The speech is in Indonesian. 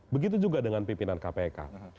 begitu juga dengan pimpinan kpk